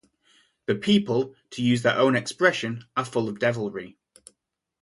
The people, to use their own expression, are full of devilry.